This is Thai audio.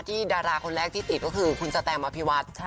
ดาราคนแรกที่ติดก็คือคุณสแตมอภิวัฒน์